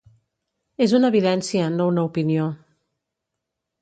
És una evidència, no una opinió.